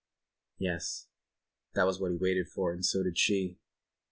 ." Yes, that was what he waited for and so did she.